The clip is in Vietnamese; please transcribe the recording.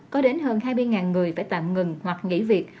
có đến hơn hai mươi người phải tạm ngừng hoặc nghỉ việc